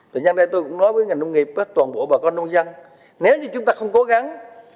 thì nhanh đây tôi cũng nói với ngành nông nghiệp toàn bộ bà con nông dân nếu như chúng ta không cố gắng